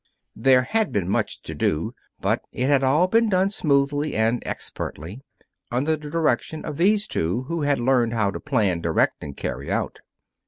There had been much to do, but it had all been done smoothly and expertly, under the direction of these two who had learned how to plan, direct, and carry out.